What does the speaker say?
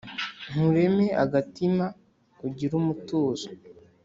nkureme agatima ugire umutuzo